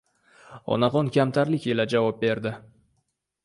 Onaxon kamtarlik ila javob berdi: